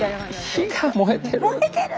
火が燃えてる。